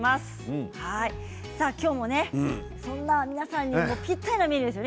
今日もそんな皆さんにぴったりなメニューですよね。